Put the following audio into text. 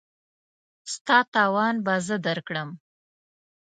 ستا تاوان به زه درکړم.